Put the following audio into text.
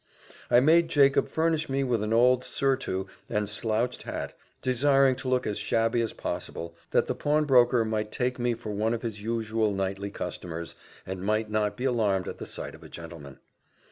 I made Jacob furnish me with an old surtout and slouched hat, desiring to look as shabby as possible, that the pawnbroker might take me for one of his usual nightly customers, and might not be alarmed at the sight of a gentleman.